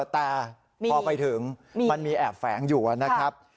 แต่พอไปถึงมันมีแอบแฝงอยู่นะครับ